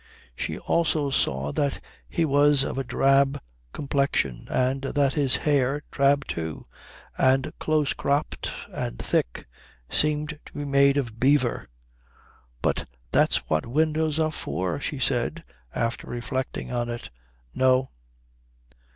She also saw that he was of a drab complexion, and that his hair, drab, too, and close cropped and thick, seemed to be made of beaver. "But that's what windows are for," she said, after reflecting on it. "No."